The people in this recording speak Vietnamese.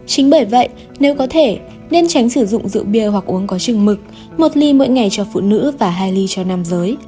chính bởi vậy nếu có thể nên tránh sử dụng rượu bia hoặc uống có chừng mực một ly mỗi ngày cho phụ nữ và hai ly cho nam giới